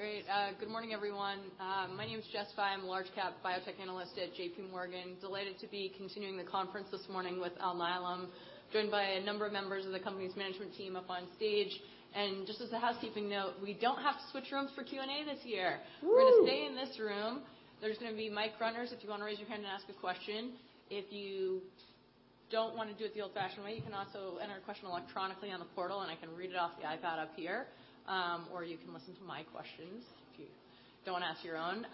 Great. good morning, everyone. my name is Jessica. I'm a large cap biotech analyst at J.P. Morgan. Delighted to be continuing the conference this morning with Alnylam. Joined by a number of members of the company's management team up on stage. Just as a housekeeping note, we don't have to switch rooms for Q&A this year. Whoo. We're gonna stay in this room. There's gonna be mic runners if you wanna raise your hand and ask a question. If you don't wanna do it the old-fashioned way, you can also enter a question electronically on the portal and I can read it off the iPad up here. You can listen to my questions if you don't wanna ask your own.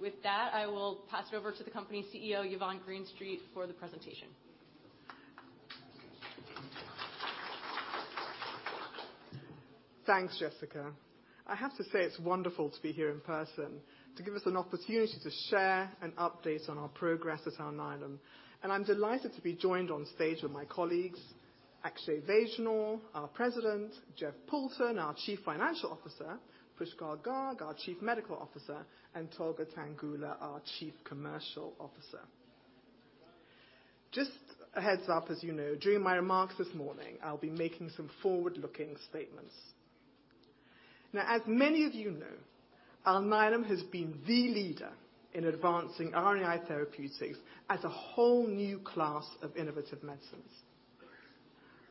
With that, I will pass it over to the company CEO, Yvonne Greenstreet for the presentation. Thanks, Jessica. I have to say it's wonderful to be here in person to give us an opportunity to share an update on our progress at Alnylam. I'm delighted to be joined on stage with my colleagues, Akshay Vaishnaw, our President, Jeff Poulton, our Chief Financial Officer, Pushkal Garg, our Chief Medical Officer, and Tolga Tanguler, our Chief Commercial Officer.Just a heads up, as you know, during my remarks this morning, I'll be making some forward-looking statements. Now, as many of you know, Alnylam has been the leader in advancing RNAi therapeutics as a whole new class of innovative medicines.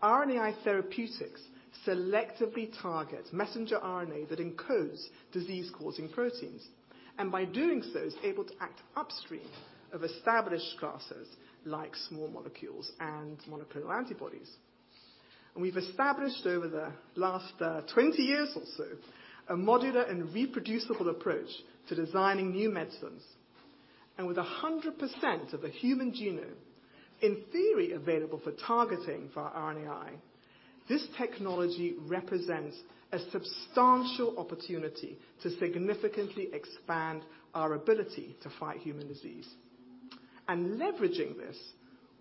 RNAi therapeutics selectively target messenger RNA that encodes disease-causing proteins. By doing so, is able to act upstream of established classes like small molecules and monoclonal antibodies. We've established over the last 20 years or so a modular and reproducible approach to designing new medicines. With a 100% of the human genome, in theory available for targeting via RNAi, this technology represents a substantial opportunity to significantly expand our ability to fight human disease. Leveraging this,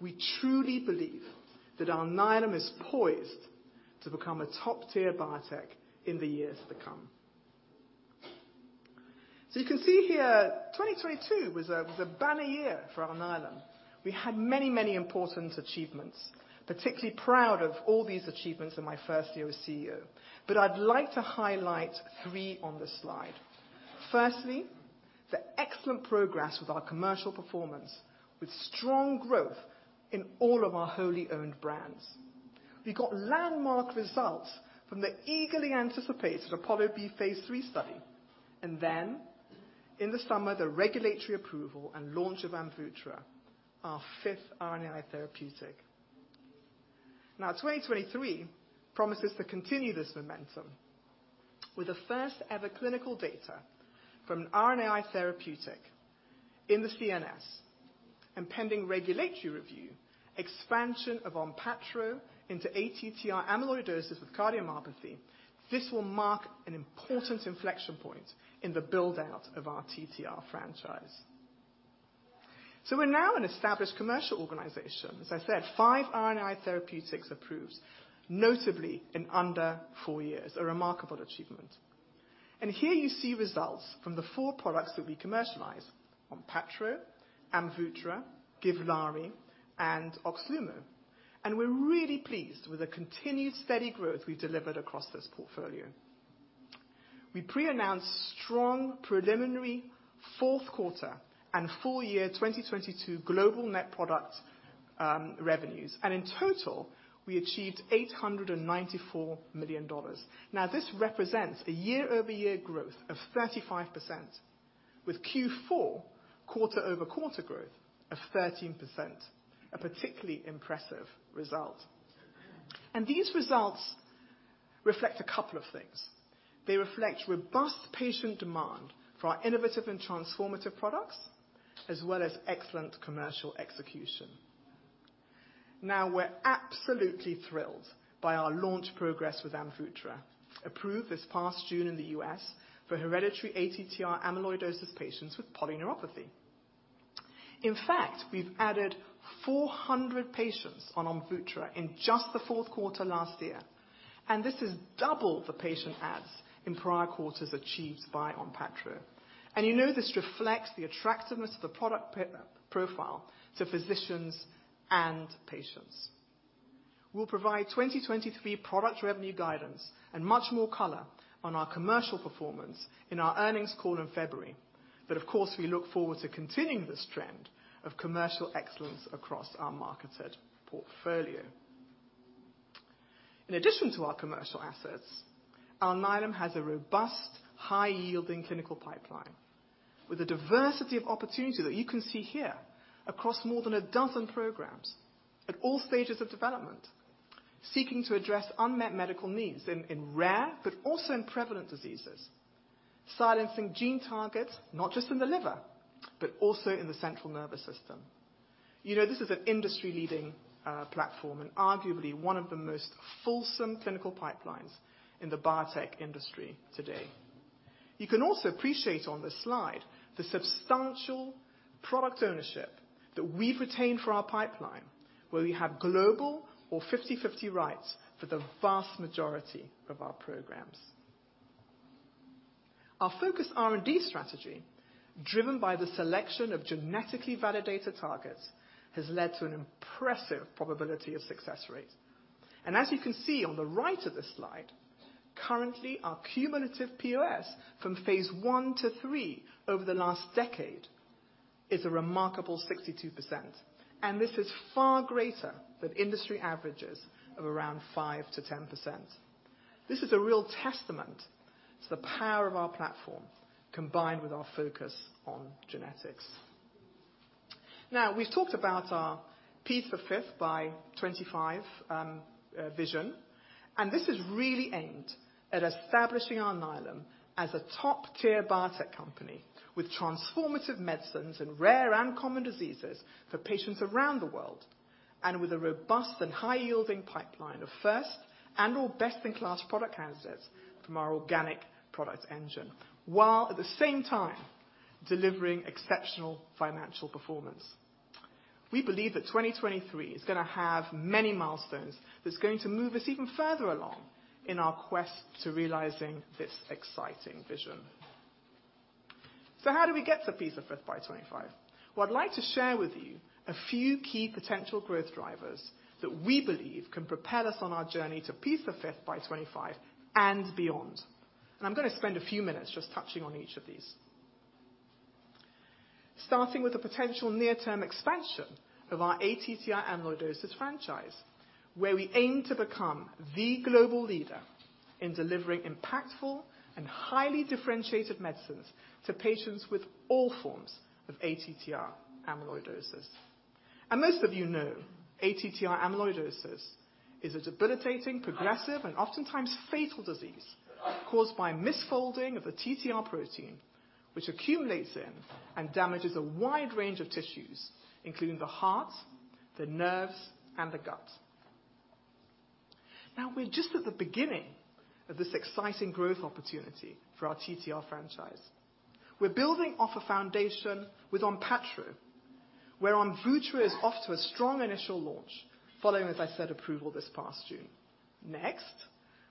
we truly believe that Alnylam is poised to become a top-tier biotech in the years to come. You can see here, 2022 was a banner year for Alnylam. We had many important achievements. Particularly proud of all these achievements in my first year as CEO. I'd like to highlight thre on this slide. Firstly, the excellent progress with our commercial performance, with strong growth in all of our wholly owned brands. We got landmark results from the eagerly anticipated APOLLO-B Phase III study. In the summer, the regulatory approval and launch of AMVUTTRA, our fifth RNAi therapeutic. 2023 promises to continue this momentum with the first ever clinical data from an RNAi therapeutic in the CNS and pending regulatory review, expansion of ONPATTRO into ATTR amyloidosis with cardiomyopathy. This will mark an important inflection point in the build-out of our TTR franchise. We're now an established commercial organization. As I said, 5 RNAi therapeutics approved, notably in under four years, a remarkable achievement. Here you see results from the four products that we commercialize, ONPATTRO, AMVUTTRA, GIVLAARI, and OXLUMO. We're really pleased with the continued steady growth we've delivered across this portfolio. We pre-announced strong preliminary fourth quarter and full year 2022 global net product revenues. In total, we achieved $894 million. This represents a year-over-year growth of 35%, with Q4 quarter-over-quarter growth of 13%, a particularly impressive result. These results reflect a couple of things. They reflect robust patient demand for our innovative and transformative products, as well as excellent commercial execution. We're absolutely thrilled by our launch progress with AMVUTTRA, approved this past June in the U.S. for hereditary ATTR amyloidosis patients with polyneuropathy. In fact, we've added 400 patients on AMVUTTRA in just the fourth quarter last year, this is double the patient adds in prior quarters achieved by ONPATTRO. You know, this reflects the attractiveness of the product profile to physicians and patients. We'll provide 2023 product revenue guidance and much more color on our commercial performance in our earnings call in February. Of course, we look forward to continuing this trend of commercial excellence across our market set portfolio. In addition to our commercial assets, Alnylam has a robust, high-yielding clinical pipeline with a diversity of opportunity that you can see here across more than a dozen programs at all stages of development, seeking to address unmet medical needs in rare but also in prevalent diseases, silencing gene targets, not just in the liver, but also in the central nervous system. You know, this is an industry-leading platform and arguably one of the most fulsome clinical pipelines in the biotech industry today. You can also appreciate on this slide the substantial product ownership that we've retained for our pipeline, where we have global or 50-50 rights for the vast majority of our programs. Our focus R&D strategy, driven by the selection of genetically validated targets, has led to an impressive probability of success rate. As you can see on the right of the slide, currently, our cumulative POS from phase I-III over the last decade is a remarkable 62%, this is far greater than industry averages of around 5%-10%. This is a real testament to the power of our platform, combined with our focus on genetics. We've talked about our Alnylam P5x25 vision, this is really aimed at establishing Alnylam as a top-tier biotech company with transformative medicines in rare and common diseases for patients around the world. With a robust and high-yielding pipeline of first and or best-in-class product candidates from our organic product engine, while at the same time delivering exceptional financial performance. We believe that 2023 is gonna have many milestones that's going to move us even further along in our quest to realizing this exciting vision. How do we get to P5x25 by 2025? I'd like to share with you a few key potential growth drivers that we believe can propel us on our journey to P5x25 by 2025 and beyond. I'm gonna spend a few minutes just touching on each of these. Starting with the potential near-term expansion of our ATTR amyloidosis franchise, where we aim to become the global leader in delivering impactful and highly differentiated medicines to patients with all forms of ATTR amyloidosis. Most of you know, ATTR amyloidosis is a debilitating, progressive, and oftentimes fatal disease caused by misfolding of the TTR protein, which accumulates in and damages a wide range of tissues, including the heart, the nerves, and the gut. We're just at the beginning of this exciting growth opportunity for our TTR franchise. We're building off a foundation with ONPATTRO, where ONPATTRO is off to a strong initial launch following, as I said, approval this past June.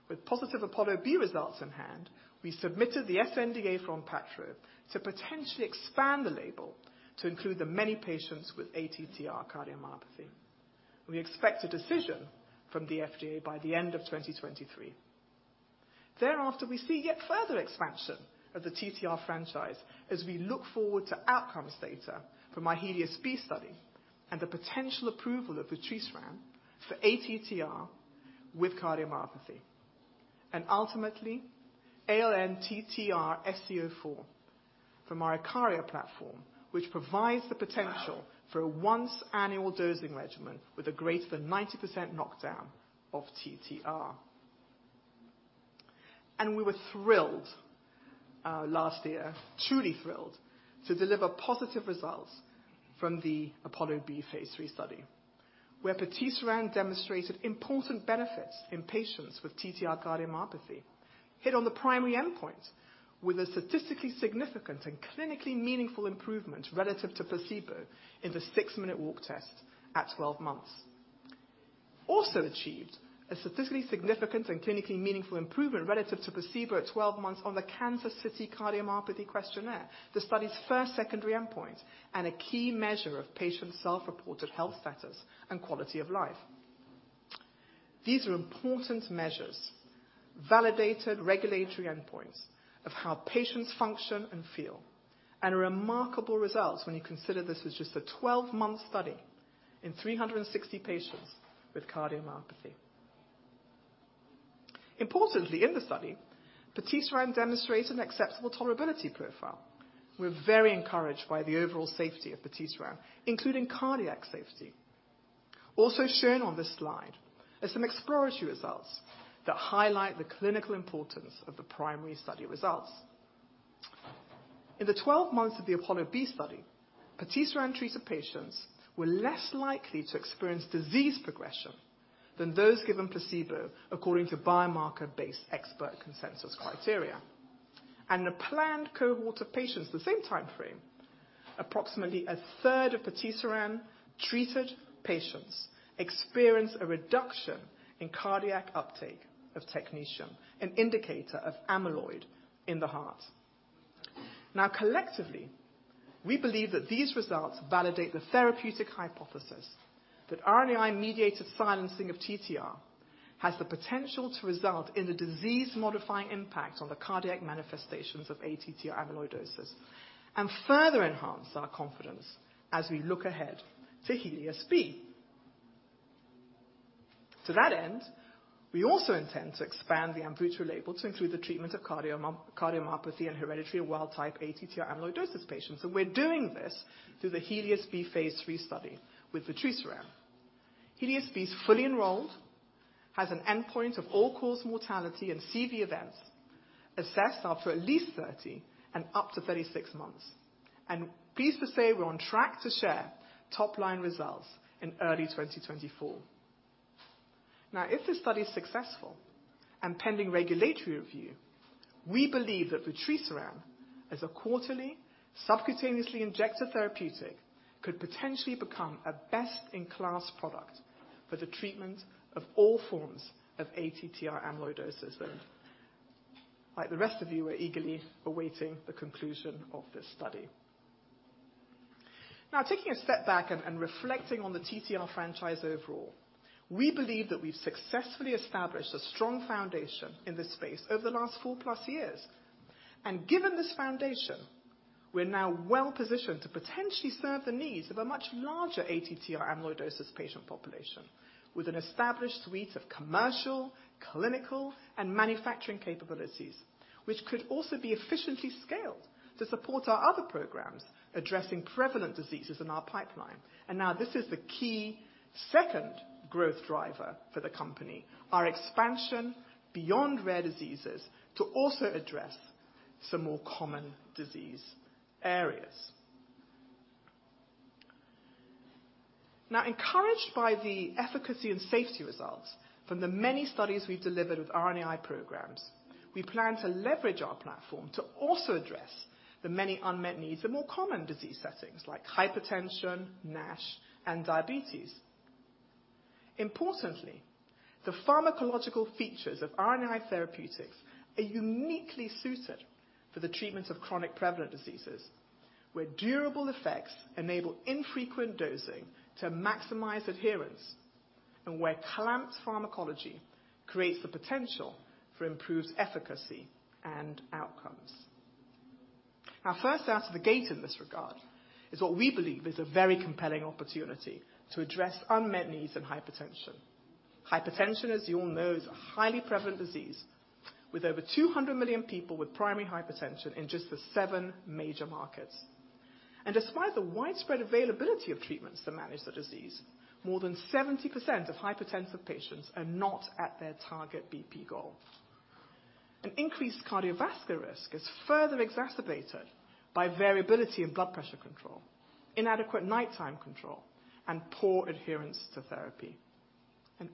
With positive APOLLO-B results in hand, we submitted the sNDA for ONPATTRO to potentially expand the label to include the many patients with ATTR cardiomyopathy. We expect a decision from the FDA by the end of 2023. Thereafter, we see yet further expansion of the TTR franchise as we look forward to outcomes data from our HELIOS-B study and the potential approval of patisiran for ATTR with cardiomyopathy. Ultimately, ALN-TTRsc04 from our IKARIA platform, which provides the potential for a once annual dosing regimen with a greater than 90% knockdown of TTR. We were thrilled, last year, truly thrilled to deliver positive results from the APOLLO-B Phase III study, where patisiran demonstrated important benefits in patients with TTR cardiomyopathy. Hit on the primary endpoint with a statistically significant and clinically meaningful improvement relative to placebo in the six-minute walk test at 12 months. Also achieved a statistically significant and clinically meaningful improvement relative to placebo at 12 months on the Kansas City Cardiomyopathy Questionnaire, the study's first secondary endpoint, and a key measure of patient's self-reported health status and quality of life. These are important measures, validated regulatory endpoints of how patients function and feel, remarkable results when you consider this is just a 12-month study in 360 patients with cardiomyopathy. Importantly, in the study, patisiran demonstrated an acceptable tolerability profile. We're very encouraged by the overall safety of patisiran, including cardiac safety. Also shown on this slide are some exploratory results that highlight the clinical importance of the primary study results. In the 12 months of the APOLLO-B study, patisiran treated patients were less likely to experience disease progression than those given placebo, according to biomarker-based expert consensus criteria. The planned cohort of patients the same timeframe, approximately a third of patisiran-treated patients experienced a reduction in cardiac uptake of technetium, an indicator of amyloid in the heart. Collectively, we believe that these results validate the therapeutic hypothesis that RNAi-mediated silencing of TTR has the potential to result in a disease-modifying impact on the cardiac manifestations of ATTR amyloidosis and further enhance our confidence as we look ahead to HELIOS-B. To that end, we also intend to expand the ONPATTRO label to include the treatment of cardiomyopathy and hereditary wild-type ATTR amyloidosis patients. We're doing this through the HELIOS-B phase III study with patisiran. HELIOS-B is fully enrolled, has an endpoint of all-cause mortality and CV events assessed after at least 30 and up to 36 months. Pleased to say we're on track to share top-line results in early 2024. If this study is successful and pending regulatory review, we believe that patisiran as a quarterly subcutaneously injected therapeutic could potentially become a best-in-class product for the treatment of all forms of ATTR amyloidosis. Like the rest of you, we're eagerly awaiting the conclusion of this study. Now, taking a step back and reflecting on the TTR franchise overall, we believe that we've successfully established a strong foundation in this space over the last 4+ years. Given this foundation, we're now well-positioned to potentially serve the needs of a much larger ATTR amyloidosis patient population with an established suite of commercial, clinical, and manufacturing capabilities. Which could also be efficiently scaled to support our other programs addressing prevalent diseases in our pipeline. Now this is the key second growth driver for the company, our expansion beyond rare diseases to also address some more common disease areas. Encouraged by the efficacy and safety results from the many studies we've delivered with RNAi programs, we plan to leverage our platform to also address the many unmet needs in more common disease settings like hypertension, NASH, and diabetes. Importantly, the pharmacological features of RNAi therapeutics are uniquely suited for the treatment of chronic prevalent diseases, where durable effects enable infrequent dosing to maximize adherence, and where clamped pharmacology creates the potential for improved efficacy and outcomes. First out of the gate in this regard is what we believe is a very compelling opportunity to address unmet needs in hypertension. Hypertension, as you all know, is a highly prevalent disease with over 200 million people with primary hypertension in just the seven major markets. Despite the widespread availability of treatments to manage the disease, more than 70% of hypertensive patients are not at their target BP goal. An increased cardiovascular risk is further exacerbated by variability in blood pressure control, inadequate nighttime control, and poor adherence to therapy.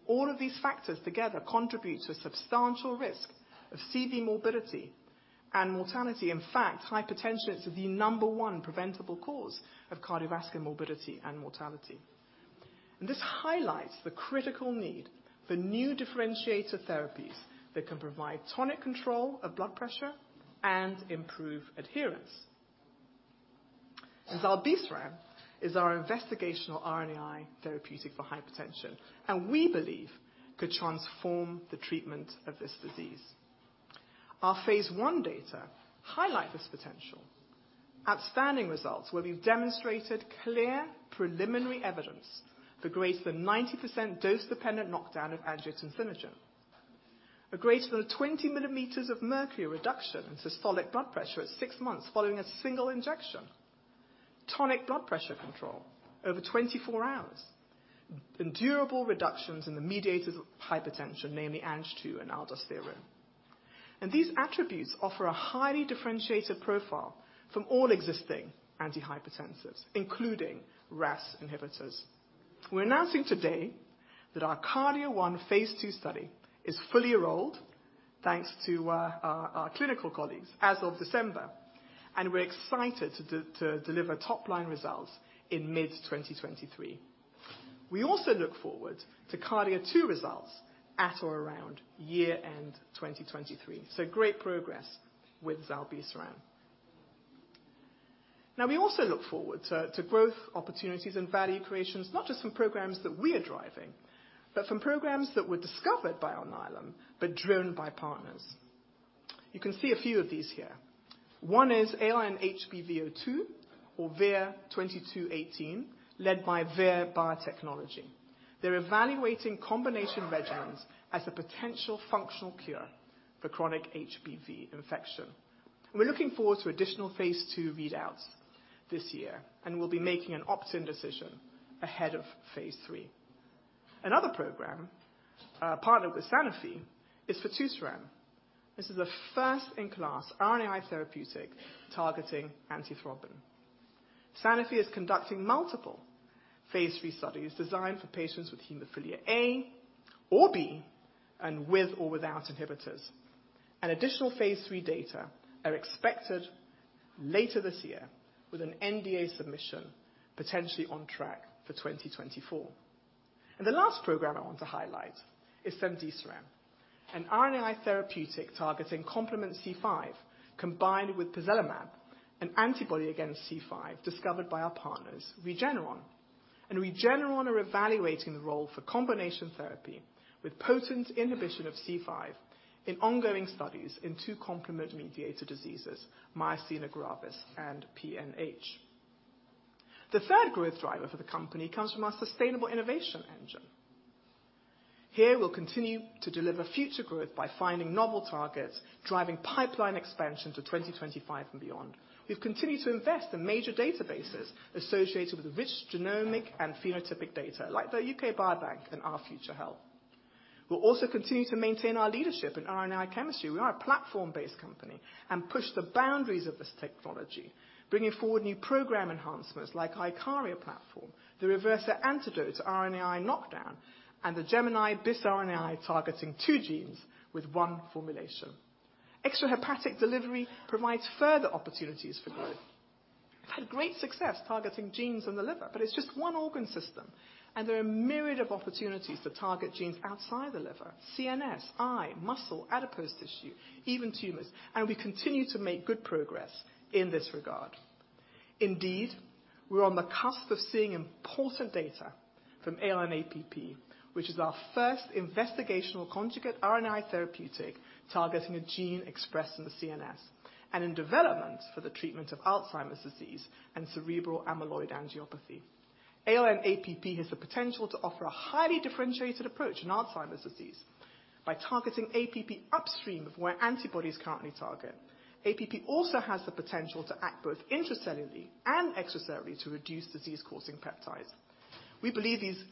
All of these factors together contribute to a substantial risk of CV morbidity and mortality. In fact, hypertension is the number one preventable cause of cardiovascular morbidity and mortality. This highlights the critical need for new differentiator therapies that can provide tonic control of blood pressure and improve adherence. Zilebesiran is our investigational RNAi therapeutic for hypertension, and we believe could transform the treatment of this disease. Our phase I data highlight this potential. Outstanding results where we've demonstrated clear preliminary evidence for greater than 90% dose-dependent knockdown of angiotensinogen. A greater than 20 mm of mercury reduction in systolic blood pressure at six months following a single injection. Tonic blood pressure control over 24 hours. Durable reductions in the mediators of hypertension, namely Ang II and aldosterone. These attributes offer a highly differentiated profile from all existing antihypertensives, including RAS inhibitors. We're announcing today that our KARDIA-1 Phase II study is fully enrolled, thanks to our clinical colleagues as of December, and we're excited to deliver top-line results in mid-2023. We also look forward to KARDIA-2 results at or around year-end 2023. Great progress with zilebesiran. We also look forward to growth opportunities and value creations, not just from programs that we are driving, but from programs that were discovered by Alnylam but driven by partners. You can see a few of these here. One is ALN-HBV02, or VIR-2218, led by Vir Biotechnology. They're evaluating combination regimens as a potential functional cure for chronic HBV infection. We're looking forward to additional phase II readouts this year, and we'll be making an opt-in decision ahead of phase III. Another program, partnered with Sanofi, is fitusiran. This is a first-in-class RNAi therapeutic targeting antithrombin. Sanofi is conducting multiple phase III studies designed for patients with hemophilia A or B, and with or without inhibitors. Additional phase III data are expected later this year with an NDA submission potentially on track for 2024. The last program I want to highlight is cemdisiran, an RNAi therapeutic targeting complement C5, combined with pozelimab, an antibody against C5 discovered by our partners, Regeneron. Regeneron are evaluating the role for combination therapy with potent inhibition of C5 in ongoing studies in two complement-mediated diseases, myasthenia gravis and PNH. The third growth driver for the company comes from our sustainable innovation engine. Here, we'll continue to deliver future growth by finding novel targets, driving pipeline expansion to 2025 and beyond. We've continued to invest in major databases associated with rich genomic and phenotypic data like the U.K. Biobank and Our Future Health. We'll also continue to maintain our leadership in RNAi chemistry. We are a platform-based company, and push the boundaries of this technology, bringing forward new program enhancements like IKARIA platform, the Reversir antidote to RNAi knockdown, and the GEMINI bis-RNAi targeting two genes with one formulation. Extrahepatic delivery provides further opportunities for growth. Had great success targeting genes in the liver, but it's just one organ system, and there are a myriad of opportunities to target genes outside the liver, CNS, eye, muscle, adipose tissue, even tumors. We continue to make good progress in this regard. Indeed, we're on the cusp of seeing important data from ALN-APP, which is our first investigational conjugate RNA therapeutic targeting a gene expressed in the CNS, and in development for the treatment of Alzheimer's disease and cerebral amyloid angiopathy. ALN-APP has the potential to offer a highly differentiated approach in Alzheimer's disease by targeting APP upstream of where antibodies currently target. APP also has the potential to act both intracellularly and extracellularly to reduce disease-causing peptides. We believe these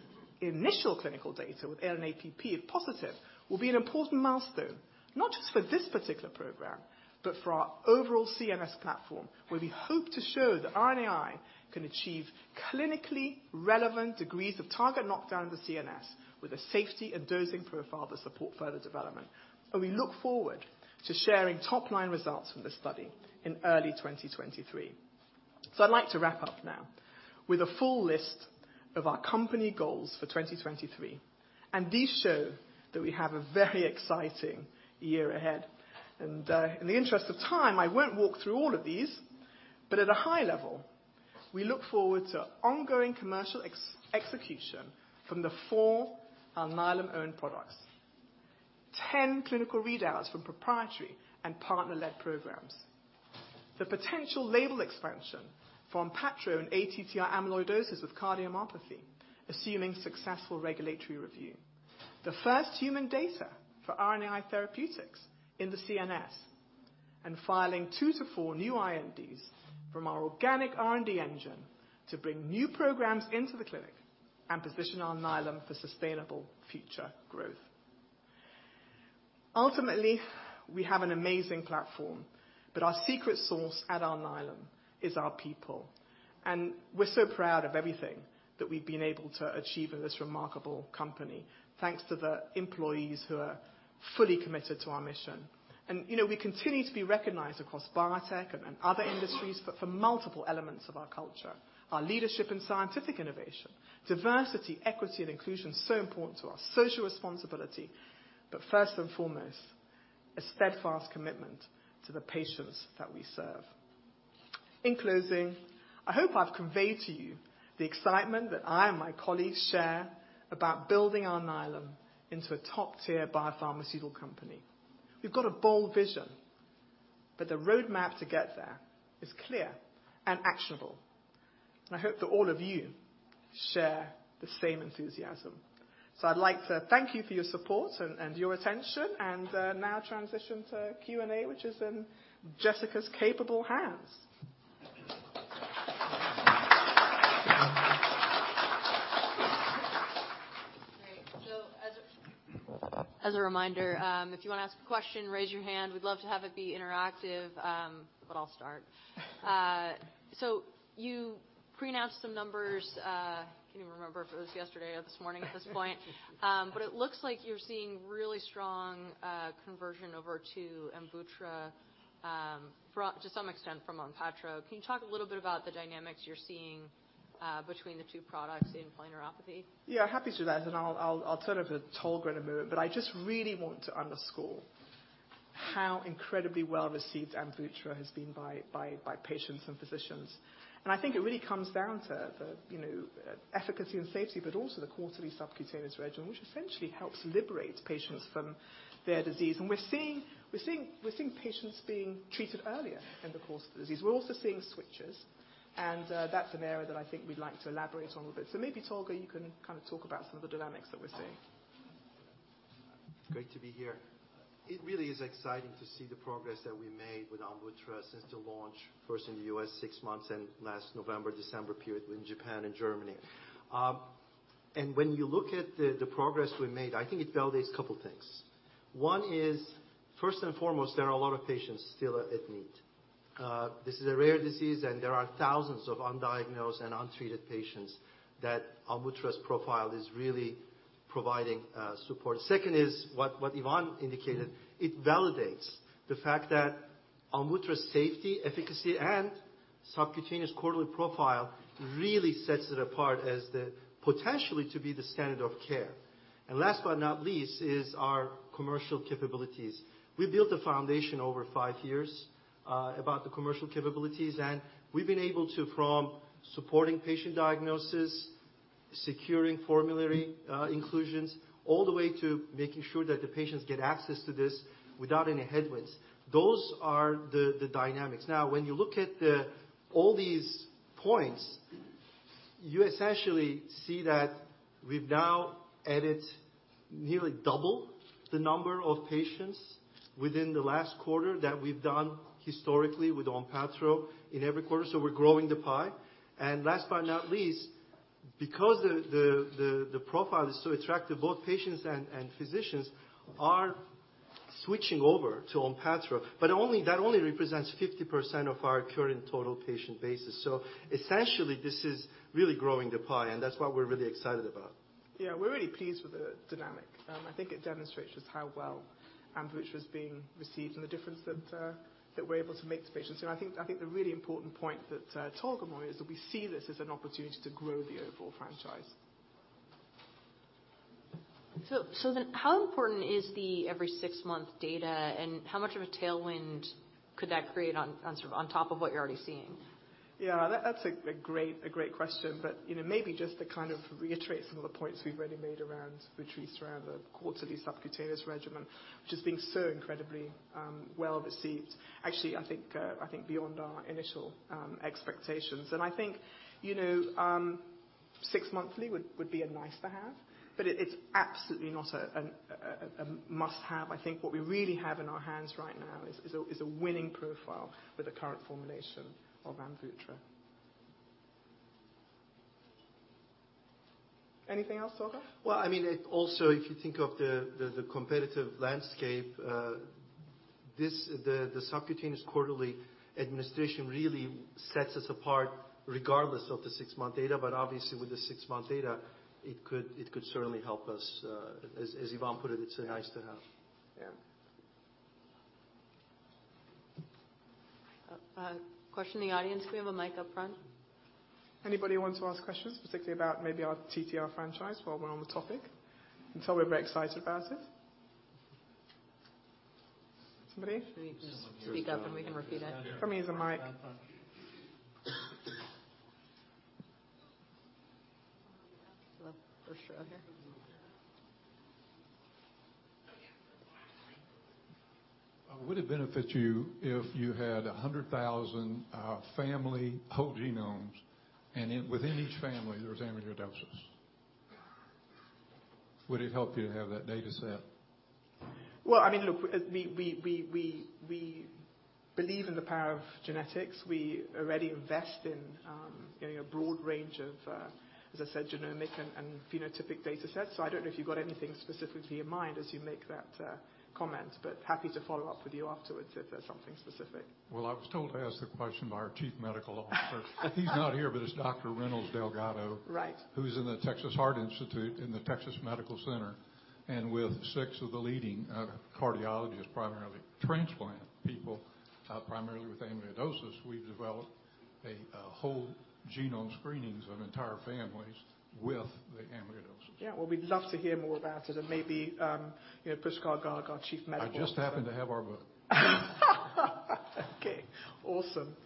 initial clinical data with ALN-APP, if positive, will be an important milestone, not just for this particular program, but for our overall CNS platform, where we hope to show that RNAi can achieve clinically relevant degrees of target knockdown in the CNS with a safety and dosing profile to support further development. We look forward to sharing top-line results from this study in early 2023. I'd like to wrap up now with a full list of our company goals for 2023. These show that we have a very exciting year ahead. In the interest of time, I won't walk through all of these, but at a high level, we look forward to ongoing commercial execution from the four Alnylam owned products. 10 clinical readouts from proprietary and partner-led programs. The potential label expansion from Patro and ATTR amyloidosis with cardiomyopathy, assuming successful regulatory review. Filing 2-4 new INDs from our organic R&D engine to bring new programs into the clinic and position Alnylam for sustainable future growth. Ultimately, we have an amazing platform, but our secret source at Alnylam is our people. We're so proud of everything that we've been able to achieve in this remarkable company, thanks to the employees who are fully committed to our mission. You know, we continue to be recognized across biotech and other industries, but for multiple elements of our culture. Our leadership and scientific innovation, diversity, equity, and inclusion, so important to our social responsibility. First and foremost, a steadfast commitment to the patients that we serve. In closing, I hope I've conveyed to you the excitement that I and my colleagues share about building Alnylam into a top-tier biopharmaceutical company. We've got a bold vision, but the roadmap to get there is clear and actionable. I hope that all of you share the same enthusiasm. I'd like to thank you for your support and your attention, and now transition to Q&A, which is in Jessica's capable hands. Great. As a reminder, if you wanna ask a question, raise your hand. We'd love to have it be interactive, but I'll start. You pre-announced some numbers, can't even remember if it was yesterday or this morning at this point. It looks like you're seeing really strong conversion over to AMVUTTRA, to some extent from ONPATTRO. Can you talk a little bit about the dynamics you're seeing between the two products in polyneuropathy? Yeah, happy to do that, and I'll turn it to Tolga in a moment. I just really want to underscore how incredibly well-received AMVUTTRA has been by patients and physicians. I think it really comes down to the, you know, efficacy and safety, but also the quarterly subcutaneous regimen, which essentially helps liberate patients from their disease. We're seeing patients being treated earlier in the course of the disease. We're also seeing switchers, that's an area that I think we'd like to elaborate on a bit. Maybe, Tolga, you can kinda talk about some of the dynamics that we're seeing. Great to be here. It really is exciting to see the progress that we made with AMVUTTRA since the launch, first in the U.S. six months and last November, December period in Japan and Germany. When you look at the progress we made, I think it validates couple things. One is, first and foremost, there are a lot of patients still in need. This is a rare disease, and there are thousands of undiagnosed and untreated patients that AMVUTTRA's profile is really providing support. Second is what Yvonne indicated. It validates the fact that AMVUTTRA's safety, efficacy, and subcutaneous quarterly profile really sets it apart as the potentially to be the standard of care. Last but not least is our commercial capabilities. We built a foundation over five years about the commercial capabilities, and we've been able to from supporting patient diagnosis, securing formulary inclusions, all the way to making sure that the patients get access to this without any headwinds. Those are the dynamics. Now, when you look at all these points, you essentially see that we've now added nearly double the number of patients within the last quarter that we've done historically with ONPATTRO in every quarter, so we're growing the pie. Last but not least, because the profile is so attractive, both patients and physicians are switching over to ONPATTRO, that only represents 50% of our current total patient basis. Essentially this is really growing the pie, and that's what we're really excited about. We're really pleased with the dynamic. I think it demonstrates just how well AMVUTTRA is being received and the difference that we're able to make to patients. I think the really important point that Tolga made is that we see this as an opportunity to grow the overall franchise. How important is the every six month data, and how much of a tailwind could that create on sort of on top of what you're already seeing? That's a great question. You know, maybe just to kind of reiterate some of the points we've already made around AMVUTTRA, the quarterly subcutaneous regimen, which has been so incredibly well received. Actually, I think beyond our initial expectations. I think, you know, six monthly would be a nice-to-have, but it's absolutely not a must-have. I think what we really have in our hands right now is a winning profile for the current formulation of AMVUTTRA. Anything else, Tolga? Well, I mean, it also, if you think of the competitive landscape. The subcutaneous quarterly administration really sets us apart regardless of the six-month data. Obviously with the six-month data, it could certainly help us. As Yvonne put it's a nice to have. Yeah. Question in the audience. Can we have a mic up front? Anybody want to ask questions, particularly about maybe our TTR franchise while we're on the topic? We're very excited about it. Somebody? Can you just speak up and we can repeat it? Come use the mic. First row here. Would it benefit you if you had 100,000 family whole genomes, and within each family there's amyloidosis? Would it help you to have that data set? Well, I mean, look, We believe in the power of genetics. We already invest in, you know, a broad range of, as I said, genomic and phenotypic data sets. I don't know if you've got anything specific to your mind as you make that, comment, but happy to follow up with you afterwards if there's something specific. Well, I was told to ask the question by our chief medical officer. He's not here, but it's Dr. Reynolds Delgado. Right ...who's in the Texas Heart Institute in the Texas Medical Center, and with six of the leading cardiologists, primarily transplant people, primarily with amyloidosis. We've developed a whole genome screenings of entire families with the amyloidosis. Yeah. Well, we'd love to hear more about it. Maybe, you know, Pushkal Garg, our Chief Medical Officer- I just happen to have our book. Okay. Awesome.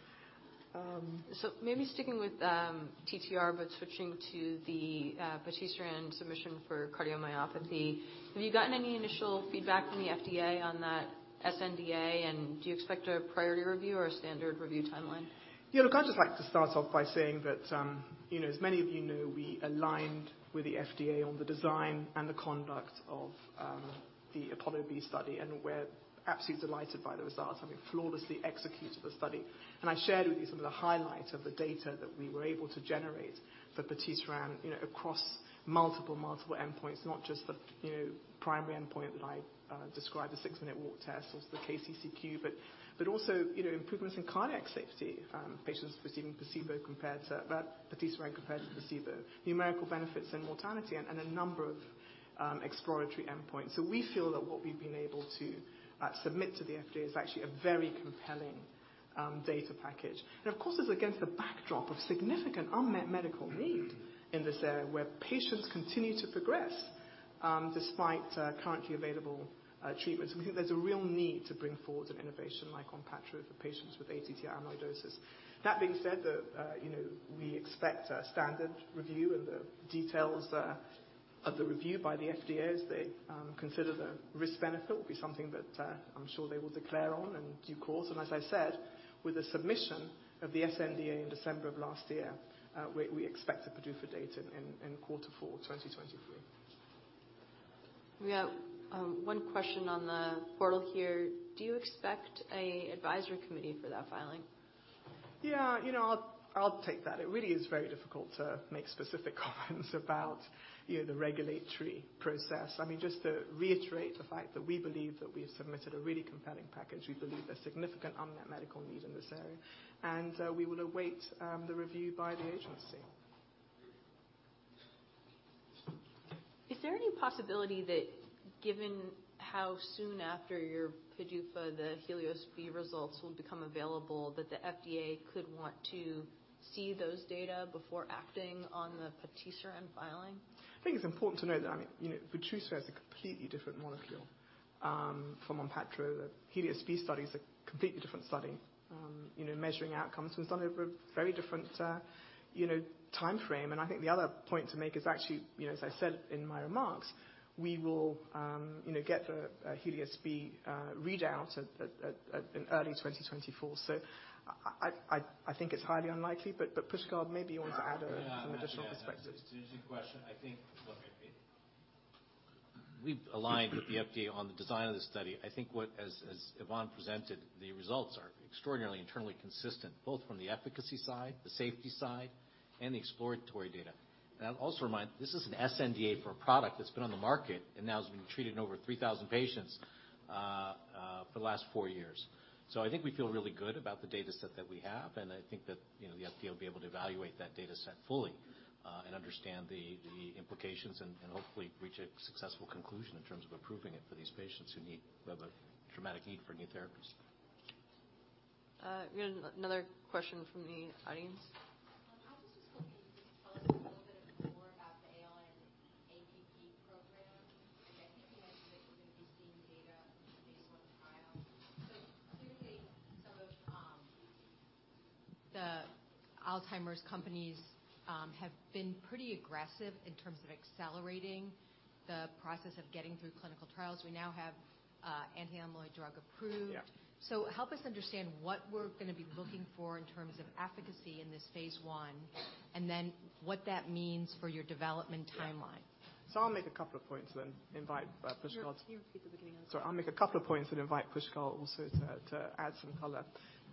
Maybe sticking with, TTR, but switching to the patisiran submission for cardiomyopathy. Have you gotten any initial feedback from the FDA on that sNDA, and do you expect a priority review or a standard review timeline? Yeah, look, I'd just like to start off by saying that, you know, as many of you know, we aligned with the FDA on the design and the conduct of the APOLLO-B study, and we're absolutely delighted by the results. I mean, flawlessly executed the study. I shared with you some of the highlights of the data that we were able to generate for patisiran, you know, across multiple endpoints, not just the, you know, primary endpoint that I described, the six minute walk test or the KCCQ. Also, you know, improvements in cardiac safety, patients receiving placebo compared to patisiran compared to placebo. Numerical benefits and mortality and a number of exploratory endpoints. We feel that what we've been able to submit to the FDA is actually a very compelling data package. Of course, it's against the backdrop of significant unmet medical need in this area, where patients continue to progress, despite currently available treatments. We think there's a real need to bring forward an innovation like ONPATTRO for patients with ATTR amyloidosis. That being said, you know, we expect a standard review and the details of the review by the FDA as they consider the risk-benefit will be something that I'm sure they will declare on in due course. As I said, with the submission of the sNDA in December of last year, we expect a PDUFA date in quarter four 2023. We have 1 question on the portal here. Do you expect a advisory committee for that filing? Yeah, you know, I'll take that. It really is very difficult to make specific comments about, you know, the regulatory process. I mean, just to reiterate the fact that we believe that we've submitted a really compelling package. We believe there's significant unmet medical need in this area. We will await the review by the agency. Is there any possibility that given how soon after your PDUFA the HELIOS-B results will become available that the FDA could want to see those data before acting on the patisiran filing? I think it's important to note that, I mean, you know, AMVUTTRA is a completely different molecule, from ONPATTRO. The HELIOS-B study is a completely different study, you know, measuring outcomes and it's done over a very different, you know, timeframe. I think the other point to make is actually, you know, as I said in my remarks, we will, you know, get the HELIOS-B readout at in early 2024. I think it's highly unlikely, but Pushkal maybe you want to add an additional perspective. Yeah. It's an interesting question. We've aligned with the FDA on the design of the study. As Yvonne presented, the results are extraordinarily internally consistent, both from the efficacy side, the safety side, and the exploratory data. I'll also remind, this is an sNDA for a product that's been on the market and now has been treated in over 3,000 patients for the last four years. I think we feel really good about the dataset that we have, and I think that, you know, the FDA will be able to evaluate that dataset fully. Understand the implications and hopefully reach a successful conclusion in terms of approving it for these patients who have a dramatic need for new therapies. We had another question from the audience. I was just hoping you could tell us a little bit more about the ALN-APP program. I think you mentioned that you're gonna be seeing data from the phase one trial. Specifically some of the Alzheimer's companies have been pretty aggressive in terms of accelerating the process of getting through clinical trials. We now have anti-amyloid drug approved. Yeah. Help us understand what we're going to be looking for in terms of efficacy in this phase I, and then what that means for your development timeline. I'll make a couple of points, then invite, Pushkal. Can you repeat the beginning of the question? Sorry. I'll make a couple of points and invite Pushkal also to add some color.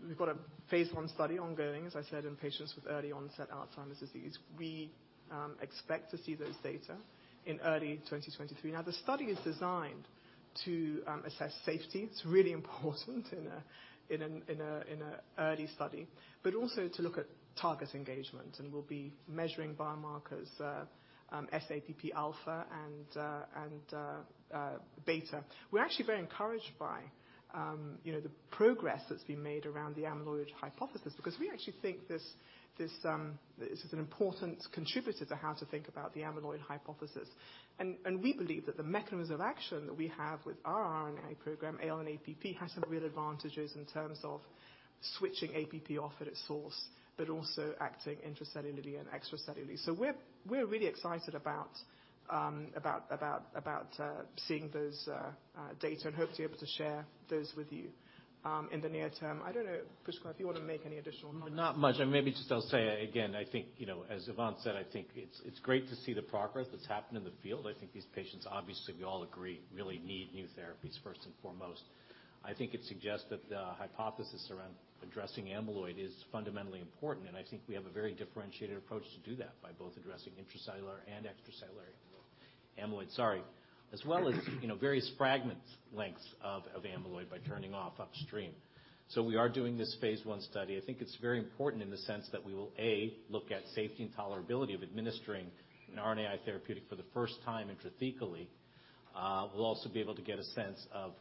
We've got a phase I study ongoing, as I said, in patients with early onset Alzheimer's disease. We expect to see those data in early 2023. The study is designed to assess safety. It's really important in an early study, but also to look at target engagement, and we'll be measuring biomarkers, sAPPα and sAPPβ. We're actually very encouraged by, you know, the progress that's been made around the amyloid hypothesis, because we actually think this is an important contributor to how to think about the amyloid hypothesis. We believe that the mechanisms of action that we have with our RNAi program, ALN-APP, has some real advantages in terms of switching APP off at its source, but also acting intracellularly and extracellularly. We're really excited about seeing those data and hope to be able to share those with you in the near term. I don't know, Pushkal, if you wanna make any additional comments. Not much. Maybe just I'll say again, I think, you know, as Yvonne said, I think it's great to see the progress that's happened in the field. I think these patients, obviously, we all agree, really need new therapies first and foremost. I think it suggests that the hypothesis around addressing amyloid is fundamentally important, and I think we have a very differentiated approach to do that by both addressing intracellular and extracellular amyloid, sorry, as well as, you know, various fragment lengths of amyloid by turning off upstream. We are doing this phase I study. I think it's very important in the sense that we will, A, look at safety and tolerability of administering an RNAi therapeutic for the first time intrathecally. We'll also be able to get a sense of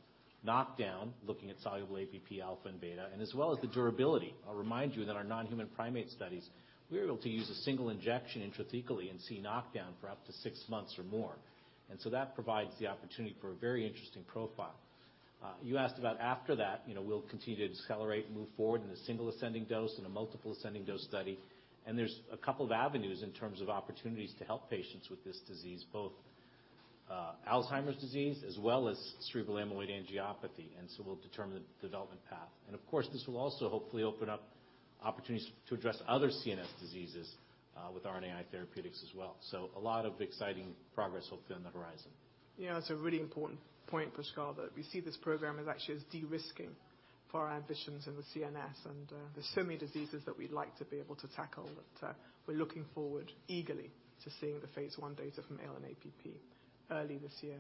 knockdown, looking at soluble APPα and sAPPβ, as well as the durability. I'll remind you that our non-human primate studies, we're able to use a single injection intrathecally and see knockdown for up to six months or more. That provides the opportunity for a very interesting profile. You asked about after that. You know, we'll continue to accelerate and move forward in a single ascending dose and a multiple ascending dose study. There's a couple of avenues in terms of opportunities to help patients with this disease, both Alzheimer's disease as well as cerebral amyloid angiopathy. We'll determine the development path. Of course, this will also hopefully open up opportunities to address other CNS diseases with RNAi therapeutics as well. A lot of exciting progress hopefully on the horizon. It's a really important point, Pushkal, that we see this program as actually as de-risking for our ambitions in the CNS. There's so many diseases that we'd like to be able to tackle that we're looking forward eagerly to seeing the phase I data from ALN-APP early this year.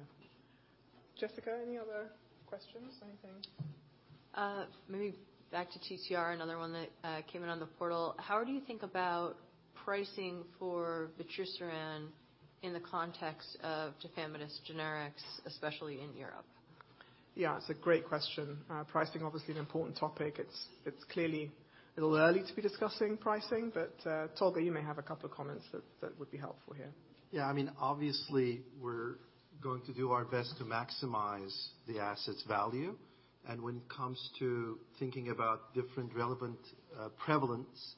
Jessica, any other questions? Anything? Maybe back to TTR, another one that came in on the portal. How do you think about pricing for vutrisiran in the context of tafamidis generics, especially in Europe? Yeah, it's a great question. Pricing, obviously an important topic. It's clearly a little early to be discussing pricing, but Tolga, you may have a couple of comments that would be helpful here. Yeah. I mean, obviously, we're going to do our best to maximize the asset's value. When it comes to thinking about different relevant, prevalence,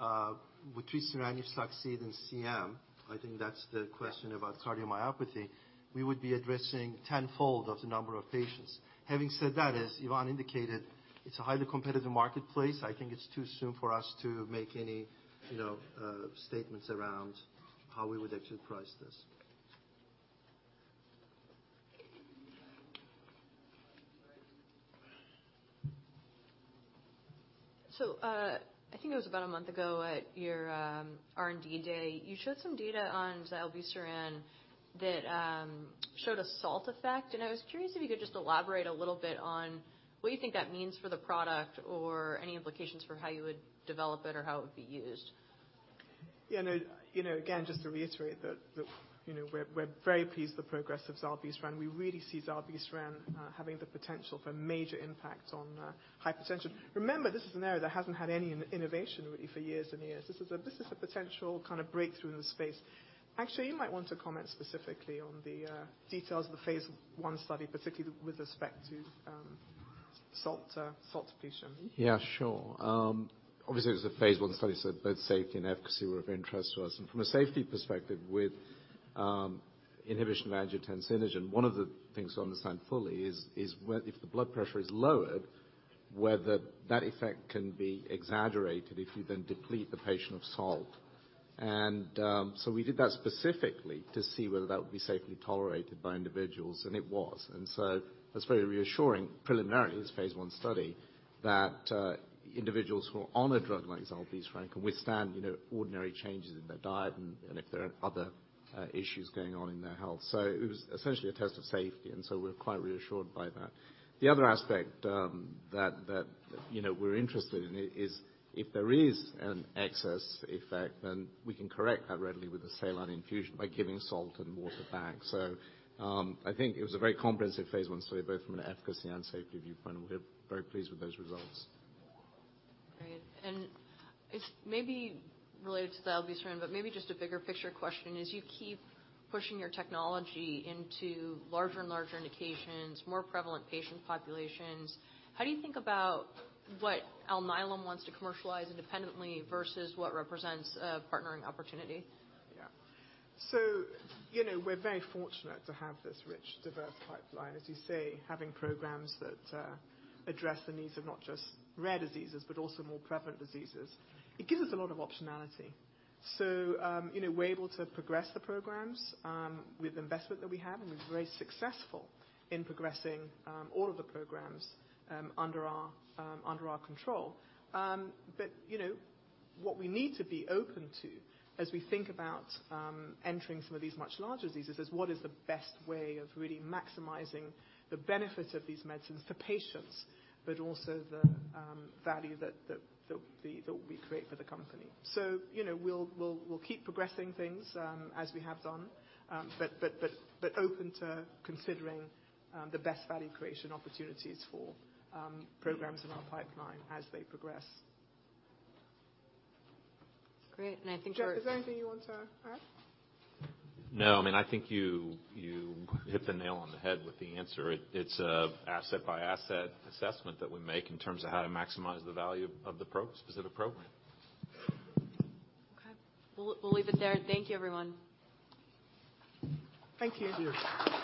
vutrisiran, isoxsuprine and CM, I think that's the question... Yeah. about cardiomyopathy, we would be addressing tenfold of the number of patients. Having said that, as Yvonne indicated, it's a highly competitive marketplace. I think it's too soon for us to make any, you know, statements around how we would actually price this. I think it was about a month ago at your R&D day, you showed some data on zilebesiran that showed a salt effect, and I was curious if you could just elaborate a little bit on what you think that means for the product or any implications for how you would develop it or how it would be used? Yeah, no. You know, again, just to reiterate that, look, you know, we're very pleased with the progress of zilebesiran. We really see zilebesiran having the potential for major impact on hypertension. Remember, this is an area that hasn't had any innovation, really, for years and years. This is a, this is a potential kind of breakthrough in the space. Actually, you might want to comment specifically on the details of the phase I study, particularly with respect to salt depletion. Yeah, sure. Obviously, it was a phase I study, so both safety and efficacy were of interest to us. From a safety perspective with inhibition of angiotensinogen, one of the things to understand fully is if the blood pressure is lowered, whether that effect can be exaggerated if you then deplete the patient of salt. We did that specifically to see whether that would be safely tolerated by individuals, and it was. That's very reassuring preliminarily, this phase I study, that individuals who are on a drug like zilebesiran can withstand, you know, ordinary changes in their diet. Issues going on in their health. It was essentially a test of safety, we're quite reassured by that. The other aspect, that, you know, we're interested in is if there is an excess effect, we can correct that readily with a saline infusion by giving salt and water back. I think it was a very comprehensive phase I study, both from an efficacy and safety viewpoint, we're very pleased with those results. Great. It's maybe related to the obesity one, but maybe just a bigger picture question. As you keep pushing your technology into larger and larger indications, more prevalent patient populations, how do you think about what Alnylam wants to commercialize independently versus what represents a partnering opportunity? You know, we're very fortunate to have this rich, diverse pipeline, as you say, having programs that address the needs of not just rare diseases but also more prevalent diseases. It gives us a lot of optionality. You know, we're able to progress the programs with investment that we have, and we've been very successful in progressing all of the programs under our control. You know, what we need to be open to as we think about entering some of these much larger diseases is what is the best way of really maximizing the benefits of these medicines for patients, but also the value that we create for the company. You know, we'll keep progressing things, as we have done, but open to considering, the best value creation opportunities for, programs in our pipeline as they progress. Great. I think our. Jeff, is there anything you want to add? No. I mean, I think you hit the nail on the head with the answer. It's a asset-by-asset assessment that we make in terms of how to maximize the value of the specific program. Okay. We'll leave it there. Thank you, everyone. Thank you. Cheers.